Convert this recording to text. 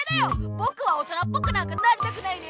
ぼくは大人っぽくなんかなりたくないね！